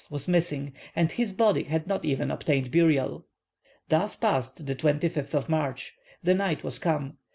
was missing, and his body had not even obtained burial. Thus passed the 25th of March. The night was come.